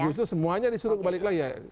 justru semuanya disuruh kembali ke lain